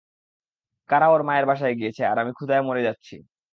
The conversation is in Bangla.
কারা ওর মায়ের বাসায় গিয়েছে আর আমি ক্ষুধায় মরে যাচ্ছি।